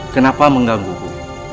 kenapa mengganggu ku